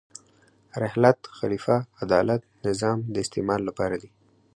رحلت، خلیفه، عدالت، نظام د استعمال لپاره دي.